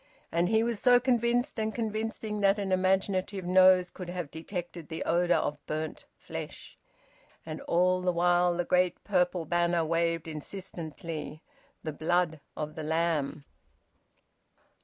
And he was so convinced and convincing that an imaginative nose could have detected the odour of burnt flesh. And all the while the great purple banner waved insistently: "The Blood of the Lamb."